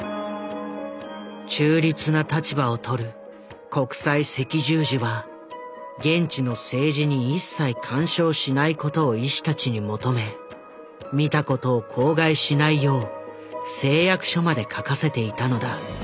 中立な立場を取る国際赤十字は現地の政治に一切干渉しないことを医師たちに求め見たことを口外しないよう誓約書まで書かせていたのだ。